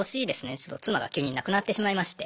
ちょっと妻が急に亡くなってしまいまして。